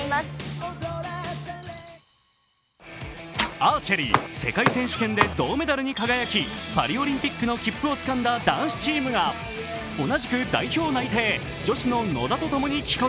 アーチェリー、世界選手権で銅メダルに輝き、パリオリンピックの切符をつかんだ男子チームが同じく代表内定、女子の野田とともに帰国。